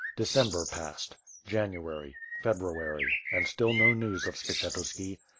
De cember passed, January, February — and still no news of Skshetuski.